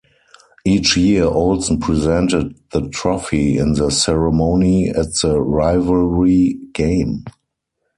Each year, Olsen presented the "trophy" in the ceremony at the rivalry game.